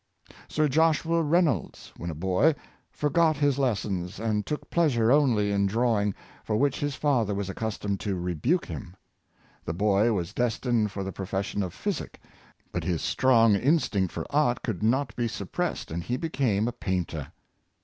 Sir Joshua Reynolds, when a boy, forgot his lessons, and took pleasure only in drawing, for which his father was accustomed to rebuke him. The boy was destined for the profession of physic, but his strong in stinct for art could not be suppressed, and he became a painter.